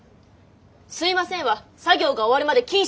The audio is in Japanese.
「すいません」は作業が終わるまで禁止！